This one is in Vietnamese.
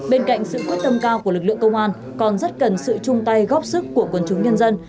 bên cạnh sự quyết tâm cao của lực lượng công an còn rất cần sự chung tay góp sức của quần chúng nhân dân